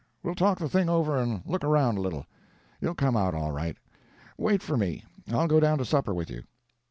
We'll talk the thing over and look around a little. You'll come out all right. Wait for me—I'll go down to supper with you."